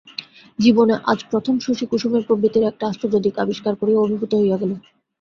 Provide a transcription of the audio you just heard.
জীবনে আজ প্রথম শশী কুসুমের প্রকৃতির একটা আশ্চর্য দিক আবিষ্কার করিয়া অভিভূত হইয়া গেল।